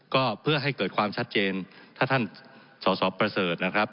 ก็เพื่อให้เกิดความชัดเจนถ้าท่านสอสอประเสริฐนะครับ